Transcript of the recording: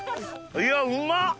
いやうまっ！